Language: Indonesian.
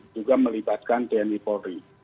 juga melibatkan tni polri